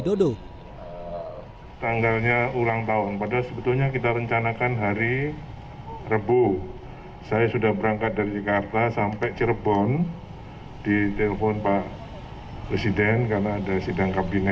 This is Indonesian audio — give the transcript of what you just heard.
jadi hari sabtu ini ini memang sudah pitulungan allah swt